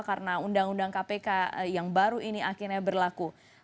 karena undang undang kpk yang baru ini akhirnya berlaku